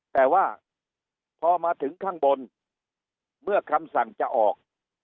แต่ว่าพอมาถึงข้างบนเมื่อคำสั่งจะออก